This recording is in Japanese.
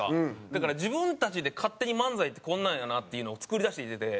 だから自分たちで勝手に漫才ってこんなんやなっていうのを作り出してきてて。